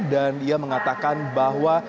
dan dia mengatakan bahwa